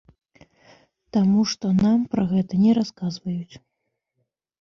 Таму што нам пра гэта не расказваюць.